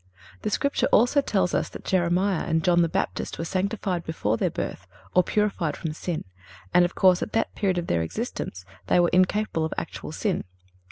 (334) The Scripture also tells us that Jeremiah and John the Baptist were sanctified before their birth, or purified from sin, and, of course, at that period of their existence they were incapable of actual sin.